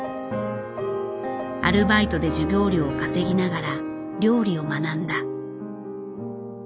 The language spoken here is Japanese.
アルバイトで授業料を稼ぎながら料理を学んだ。